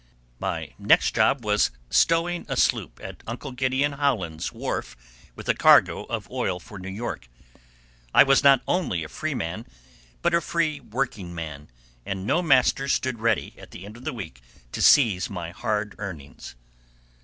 My next job was stowing a sloop at Uncle Gid. Howland's wharf with a cargo of oil for New York. I was not only a freeman, but a free working man, and no "master" stood ready at the end of the week to seize my hard earnings.